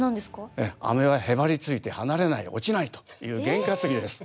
アメはへばりついて離れない落ちないという験担ぎです。